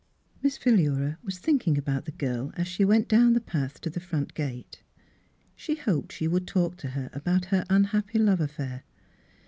Miss Philura was thinking about the girl as she went down the path to the front gate. She hoped she would talk to her about her unhappy love affair.